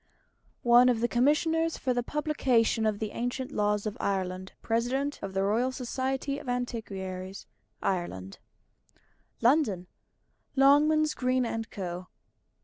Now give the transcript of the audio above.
_One of the Commissioners for the Publication of the Ancient Laws of Ireland President of the Royal Society of Antiquaries, Ireland_ LONDON: LONGMANS, GREEN, & CO.